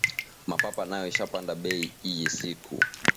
Mapapa nayo isha panda bei iyi siku